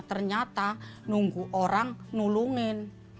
ternyata nunggu orang nulungin